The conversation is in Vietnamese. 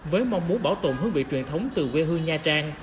với mong muốn bảo tồn hương vị truyền thống từ quê hương nha trang